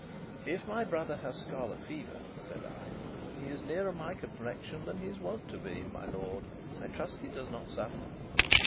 "If my brother has scarlet fever," said I, "he is nearer my complexion than he is wont to be, my lord. I trust he does not suffer?"